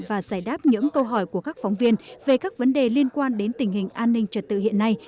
và giải đáp những câu hỏi của các phóng viên về các vấn đề liên quan đến tình hình an ninh trật tự hiện nay